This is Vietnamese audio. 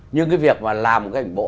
nhưng cái việc mà làm một cái ảnh bộ